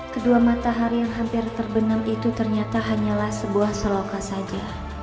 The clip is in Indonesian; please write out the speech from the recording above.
kedua matahari yang hampir terbenam itu ternyata hanyalah sebuah selokan saja